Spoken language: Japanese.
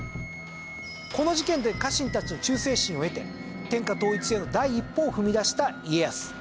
この事件で家臣たちの忠誠心を得て天下統一への第一歩を踏み出した家康。